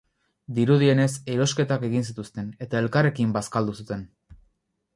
Dirudienez, erosketak egin zituzten eta elkarrekin bazkaldu zuten.